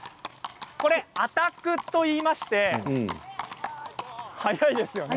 アタックと言いまして速いですよね。